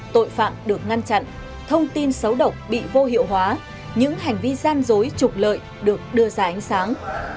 tội phạm được ngăn chặn thông tin xấu độc bị vô hiệu hóa những hành vi gian dối trục lợi được đưa ra ánh sáng